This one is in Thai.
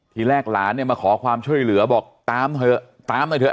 ทีแรกหลานเนี่ยมาขอความช่วยเหลือบอกตามเถอะตามหน่อยเถอ